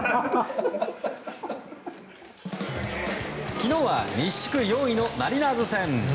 昨日は西地区４位のマリナーズ戦。